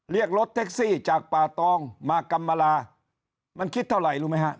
เรียกรถแท็กซี่จากป่าตองมากำลามันคิดเท่าไหร่รู้ไหมฮะ